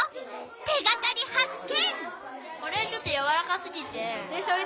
手がかり発見！